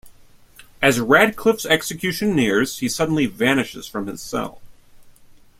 As Radcliffe's execution nears, he suddenly vanishes from his cell.